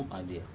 justru umi ya